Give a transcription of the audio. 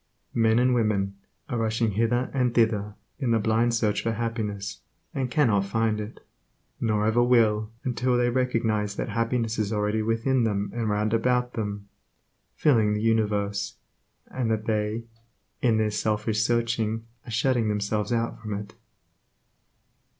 Men and women are rushing hither and thither in the blind search for happiness, and cannot find it; nor ever will until they recognize that happiness is already within them and round about them, filling the universe, and that they, in their selfish searching are shutting themselves out from it.